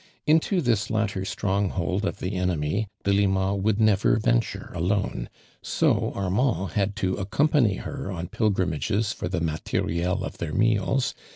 Into tbi> latter stronghold of the enemy Delima would never venture alone, so Arniand had to accompany her on pil grimages for the moli'rUI of their meals